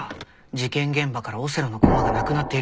事件現場からオセロの駒がなくなっている可能性がある。